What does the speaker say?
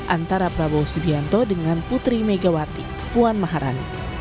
antara prabowo subianto dengan putri megawati puan maharani